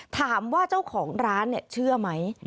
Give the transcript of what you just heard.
ถามว่าเจ้าของร้านเชื่อไหม